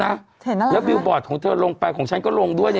เห็นแล้วแล้วนะครับน่ะครับและวิวบอร์ดของเธอลงไปของฉันก็ลงด้วย